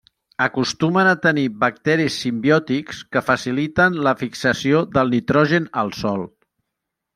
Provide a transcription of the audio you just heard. Acostumen a tenir bacteris simbiòtics que faciliten la fixació del nitrogen al sòl.